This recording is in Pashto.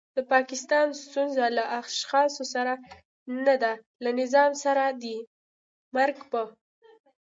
د پاکستان ستونزه له اشخاصو سره نده له نظام سره دی. مرګ په